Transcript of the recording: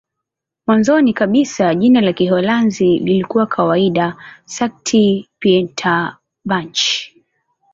Mwanzoni kabisa jina la Kiholanzi lilikuwa kawaida "Sankt-Pieterburch".